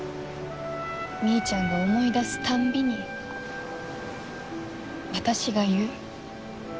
みーちゃんが思い出すたんびに私が言う。